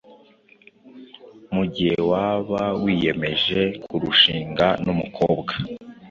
Mu gihe waba wiyemeje kurushinga n’umukobwa